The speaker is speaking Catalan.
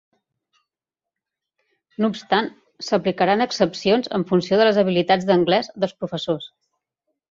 No obstant, s'aplicaran excepcions en funció de les habilitats d'anglès dels professors.